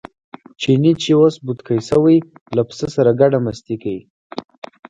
چیني چې اوس بوتکی شوی له پسه سره ګډه مستي کوي.